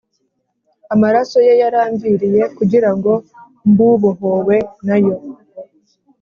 Amaraso ye yaramviriye, Kugira ngo mb' ubohowe na yo.